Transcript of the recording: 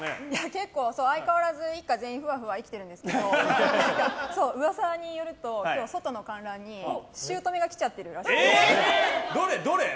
結構相変わらず一家全員ふわふわ生きているんですけど噂によると今日、外の観覧に姑が来ちゃってるらしいんです。